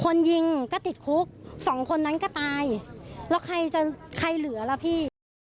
คนยิงก็ติดคุกสองคนนั้นก็ตายแล้วใครจะใครเหลือล่ะพี่